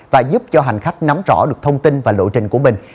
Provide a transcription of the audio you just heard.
và giúp cho hành khách nắm rõ được thông tin và lộ trình của mình